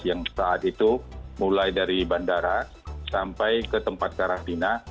yang saat itu mulai dari bandara sampai ke tempat karantina